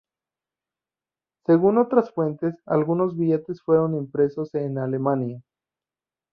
Según otras fuentes, algunos billetes fueron impresos en Alemania.